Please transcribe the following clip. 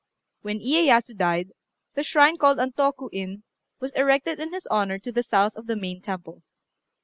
When Iyéyasu died, the shrine called Antoku In was erected in his honour to the south of the main temple.